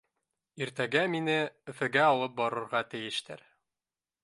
Иртәгә мине Өфөгә алып барырға тейештәр.